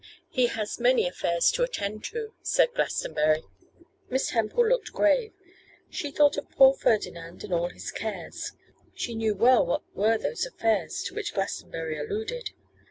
'He has many affairs to attend to,' said Glastonbury. Miss Temple looked grave; she thought of poor Ferdinand and all his cares. She knew well what were those affairs to which Glastonbury alluded.